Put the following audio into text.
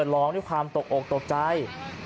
ร้องที่ความตกโอกตกใจ